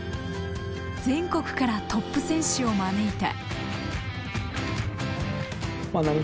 全国からトップ選手を招いた。